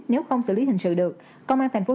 nếu không xử lý hình sự được